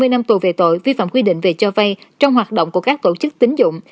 hai mươi năm tù về tội vi phạm quy định về cho vay trong hoạt động của các tổ chức tính dụng